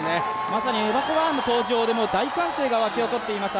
まさにエマ・コバーンの登場で大歓声が起こっています。